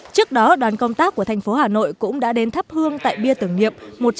trước đó đoàn công tác của thành phố hà nội cũng đã đến thắp hương tại bia tưởng niệm